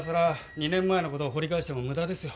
２年前のことを掘り返しても無駄ですよ